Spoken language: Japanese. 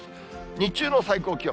日中の最高気温。